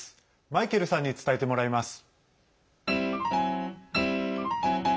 マイケルさんに伝えてもらいます。